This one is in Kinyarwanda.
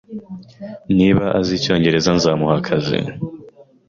Niba azi icyongereza, nzamuha akazi